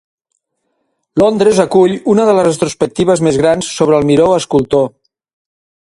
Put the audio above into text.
Londres acull una de les retrospectives més grans sobre el Miró escultor.